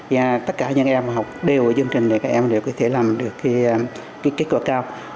và tất cả những em học đều ở chương trình thì các em sẽ làm được cái kết quả cao